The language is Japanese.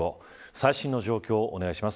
最新の状況をお願いします。